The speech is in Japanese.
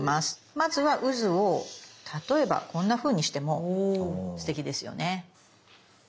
まずはうずを例えばこんなふうにしてもすてきですよね。